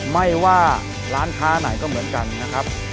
ไม่ว่าร้านค้าไหนก็เหมือนกันนะครับ